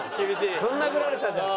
ぶん殴られたじゃん。